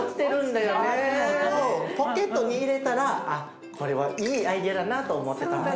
あっこれはいいアイデアだなと思ってた。